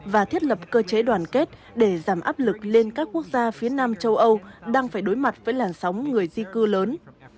và thiết lập cơ chế đoàn kết để giảm áp lực lên các quốc gia phía nam châu âu đang phải đối mặt với làn sóng người di cư lớn